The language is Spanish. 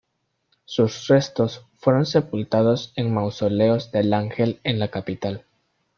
Sus restos fueron sepultados en Mausoleos del Ángel en la capital.